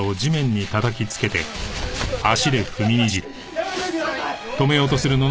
やめてください！